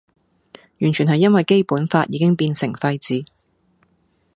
完全係因為基本法已經變成廢紙